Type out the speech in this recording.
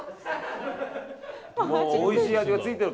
もうおいしい味がついている。